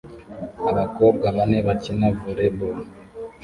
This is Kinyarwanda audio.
abakobwa bane bakina volley ball